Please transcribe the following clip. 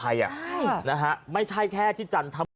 ใช่นะฮะไม่ใช่แค่ที่จันทร์ทำ